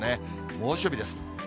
猛暑日です。